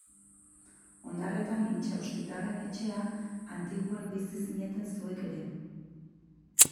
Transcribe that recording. Ondarretan Intxaustitarren etxea, Antiguan bizi zineten zuek ere.